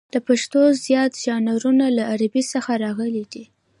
د پښتو زیات ژانرونه له عربي څخه راغلي دي.